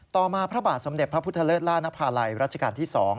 ต่อมาพระบาทสมเด็จพระพุทธเลิศล่านภาลัยรัชกาลที่๒